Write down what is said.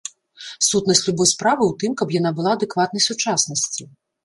Сутнасць любой справы ў тым, каб яна была адэкватнай сучаснасці.